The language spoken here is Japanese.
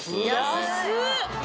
安っ！